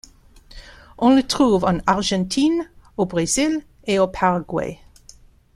On le trouve en Argentine, au Brésil et au Paraguay.